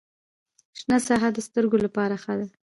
شنه ساحه د سترګو لپاره ښه ده.